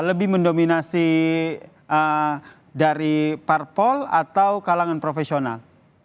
lebih mendominasi dari parpol atau kalangan profesional